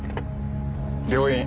病院。